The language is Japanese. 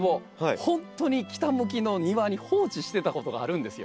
ほんとに北向きの庭に放置してたことがあるんですよ。